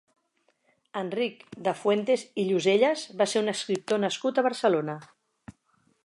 Enric de Fuentes i Lloselles va ser un escriptor nascut a Barcelona.